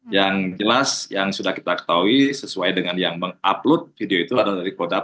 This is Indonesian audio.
yang jelas yang sudah kita ketahui sesuai dengan yang mengupload video itu adalah dari produk